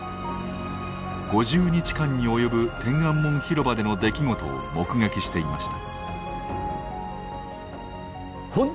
５０日間に及ぶ天安門広場での出来事を目撃していました。